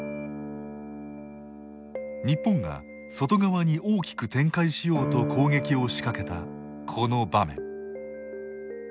日本が外側に大きく展開しようと攻撃を仕掛けた、この場面。